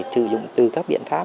thử dụng từ các biện pháp